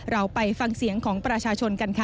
เราไปฟังเสียงของประชาชนกันค่ะ